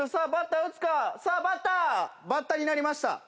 バッタになりました。